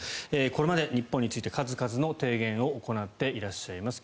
これまで日本について数々の提言を行っています。